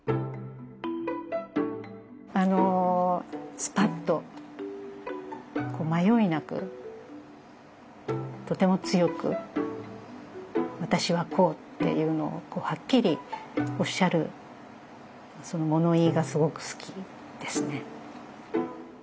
スパッと迷いなくとても強く「私はこう」っていうのをはっきりおっしゃるその物言いがすごく好きですね。